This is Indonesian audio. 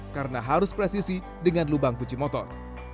karena harus presisi dengan lubang kunci motor